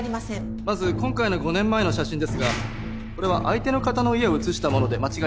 まず今回の５年前の写真ですがこれは相手の方の家を写した物で間違いないでしょうか？